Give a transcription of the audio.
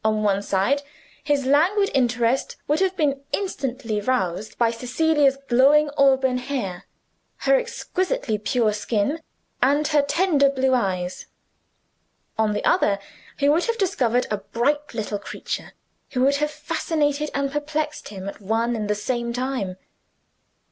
On one side his languid interest would have been instantly roused by Cecilia's glowing auburn hair, her exquisitely pure skin, and her tender blue eyes. On the other, he would have discovered a bright little creature, who would have fascinated and perplexed him at one and the same time.